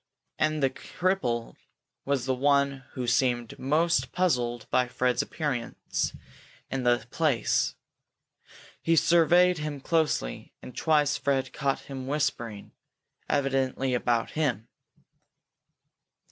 And this cripple was the one who seemed most puzzled by Fred's appearance in the place. He surveyed him closely and twice Fred caught him whispering, evidently about him.